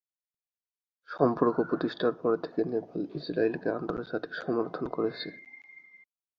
সম্পর্ক প্রতিষ্ঠার পর থেকে নেপাল ইসরায়েলকে আন্তর্জাতিকভাবে সমর্থন করেছে।